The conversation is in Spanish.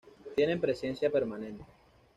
Tienen presencia permanente.